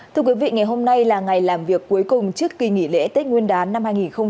thưa quý vị ngày hôm nay là ngày làm việc cuối cùng trước kỳ nghỉ lễ tết nguyên đán năm hai nghìn hai mươi bốn